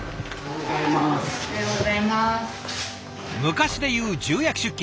昔でいう重役出勤。